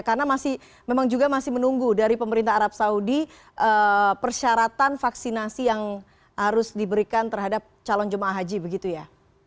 karena memang juga masih menunggu dari pemerintah arab saudi persyaratan vaksinasi yang harus diberikan terhadap calon jemaah haji begitu ya